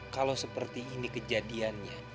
kalau seperti ini kejadiannya